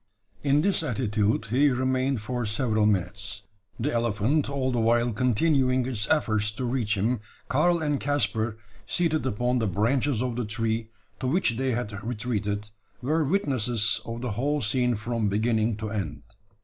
In this attitude he remained for several minutes the elephant all the while continuing its efforts to reach him Karl and Caspar, seated upon the branches of the tree, to which they had retreated, were witnesses of the whole scene from beginning to end.